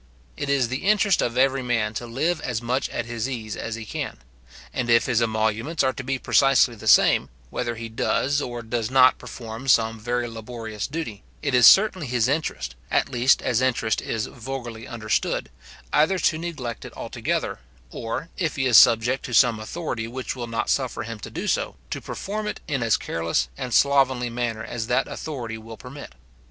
It is the interest of every man to live as much at his ease as he can; and if his emoluments are to be precisely the same, whether he does or does not perform some very laborious duty, it is certainly his interest, at least as interest is vulgarly understood, either to neglect it altogether, or, if he is subject to some authority which will not suffer him to do this, to perform it in as careless and slovenly a manner as that authority will permit.